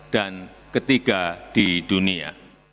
ketiga di dunia